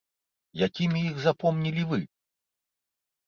Якімі іх запомнілі вы?